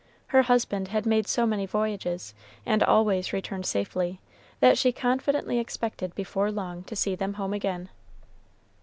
Her husband had made so many voyages, and always returned safely, that she confidently expected before long to see them home again.